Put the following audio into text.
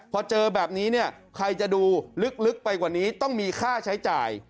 พอเจอแบบนี้เนี่ยใครจะดูลึกไปกว่านี้ต้องมีค่าใช้จ่าย